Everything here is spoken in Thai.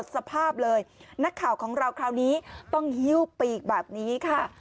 สภาพเลยนักข่าวของเราคราวนี้ต้องหิ้วปีกแบบนี้ค่ะ